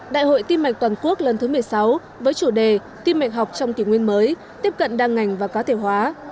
đại hội tim mạch toàn quốc lần thứ một mươi sáu với chủ đề tim mạch học trong kỷ nguyên mới tiếp cận đa ngành và cá thể hóa